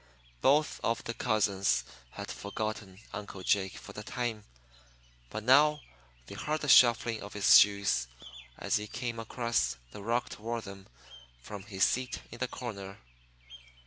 Both of the cousins had forgotten Uncle Jake for the time. But now they heard the shuffling of his shoes as he came across the rug toward them from his seat in the corner.